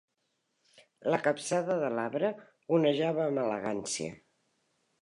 La capçada de l'arbre onejava amb elegància.